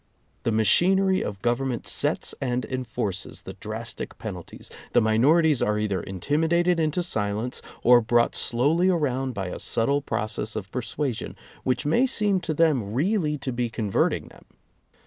The machinery of government sets and enforces the drastic pen alties, the minorities are either intimidated into silence, or brought slowly around by a subtle proc ess of persuasion which may seem to them really to be converting them.